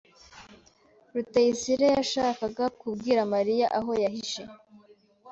Rutayisire yashakaga kubwira Mariya aho yahishe